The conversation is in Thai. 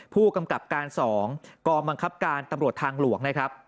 ผู้กำกับการ๒กองบังคับการตำรวจทางหลวงนะครับ